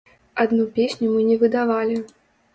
Адну песню мы не выдавалі.